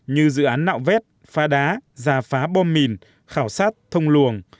như dự án nạo vét phá đá giả phá bom mìn khảo sát thông luồng